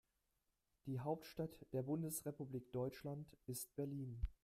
Die Hauptstadt der Bundesrepublik Deutschland ist Berlin